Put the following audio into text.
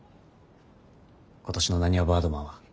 今年のなにわバードマンは。